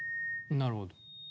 なるほど。